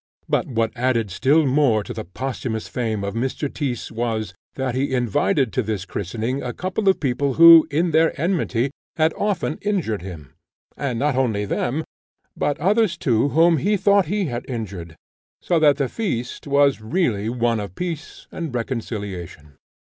But what added still more to the posthumous fame of Mr. Tyss was, that he invited to this christening a couple of people who, in their enmity, had often injured him; and not only them, but others too whom he thought he had injured; so that the feast was really one of peace and reconciliation.